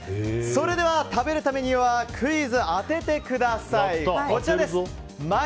それでは、食べるためにはクイズを当ててください。